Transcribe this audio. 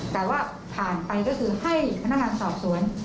แต่ว่าผ่านไปก็คือให้พนักงานสอบสวน